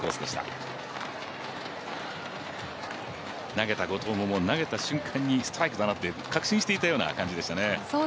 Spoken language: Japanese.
投げた後藤も、投げた瞬間にストライクだなと確信していた感じでしたね。